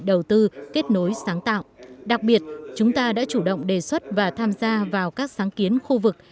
đặc biệt chúng ta đã chủ động đề xuất và tham gia vào các sáng kiến khu vực